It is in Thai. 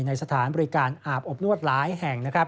ในสถานบริการอาบอบนวดหลายแห่ง